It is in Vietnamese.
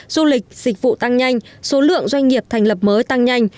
du lịch dịch vụ tăng nhanh số lượng doanh nghiệp thành lập mới tăng nhanh